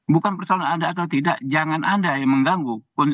bukan persoalan ada atau tidak jangan ada yang mengganggu